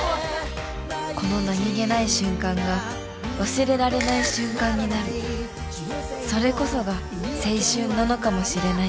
この何気ない瞬間が忘れられない瞬間になるそれこそが青春なのかもしれない